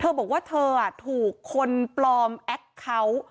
บอกว่าเธอถูกคนปลอมแอคเคาน์